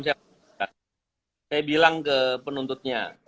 saya bilang ke penuntutnya